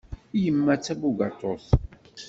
Yemma d tabugaṭut.